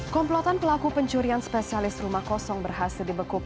komplotan pelaku pencurian spesialis rumah kosong berhasil dibekuk